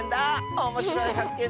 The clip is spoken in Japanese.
おもしろいはっけん